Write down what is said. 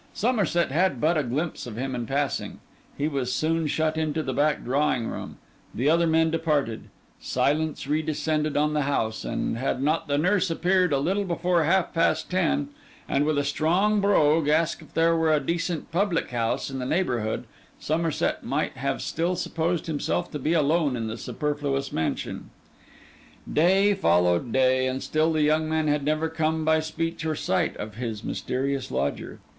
Somerset had but a glimpse of him in passing; he was soon shut into the back drawing room; the other men departed; silence redescended on the house; and had not the nurse appeared a little before half past ten, and, with a strong brogue, asked if there were a decent public house in the neighbourhood, Somerset might have still supposed himself to be alone in the Superfluous Mansion. Day followed day; and still the young man had never come by speech or sight of his mysterious lodger.